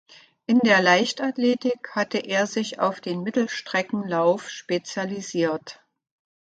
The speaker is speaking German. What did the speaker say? In der Leichtathletik hatte er sich auf den Mittelstreckenlauf spezialisiert.